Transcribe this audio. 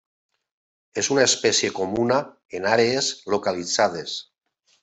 És una espècie comuna en àrees localitzades.